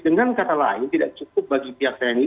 dengan kata lain tidak cukup bagi pihak tni